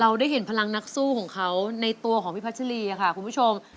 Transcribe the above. ได้เห็นพลังนักสู้ของเขาในตัวของพี่พัชรีค่ะคุณผู้ชม